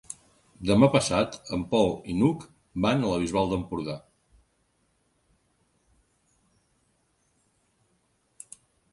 Demà passat en Pol i n'Hug van a la Bisbal d'Empordà.